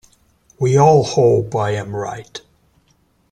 We all hope I am right.